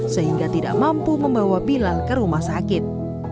sehingga tidak mampu membawa bilal ke rumah sakit